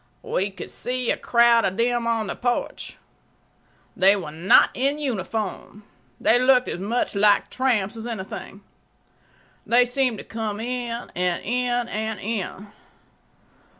We could see a crowd of them on the porch. They were not in uniform. They looked as much like tramps as anything. They seemed to come in—and in—and in.